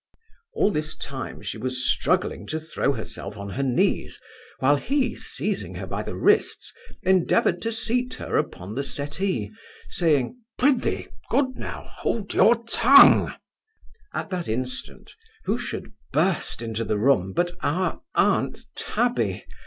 All this time she was struggling to throw herself on her knees, while he seizing her by the wrists, endeavoured to seat her upon the settee, saying, 'Prithee good now hold your tongue' At that instant, who should burst into the room but our aunt Tabby!